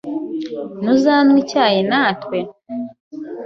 Ntuzanywa icyayi natwe?